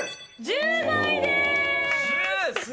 １０枚です。